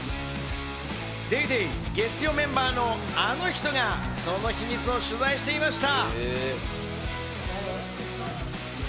『ＤａｙＤａｙ．』月曜メンバーのあの人がその秘密を取材していました。